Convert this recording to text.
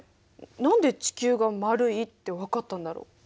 何で地球が丸いってわかったんだろう？